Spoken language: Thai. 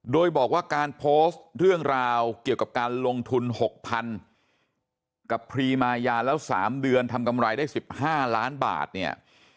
โดยบอกว่าการโพสต์เรื่องราวเกี่ยวกับการลงทุน๖๐๐๐กับพรีมายาแล้ว๓เดือนทำกำไรได้๑๕ล้านบาทเนี่ย